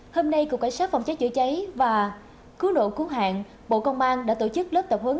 hôm nay cục cảnh sát phòng cháy chữa cháy và cứu nộ cứu hạn bộ công an đã tổ chức lớp tập hướng